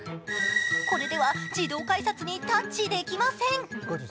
これでは自動改札にタッチできません。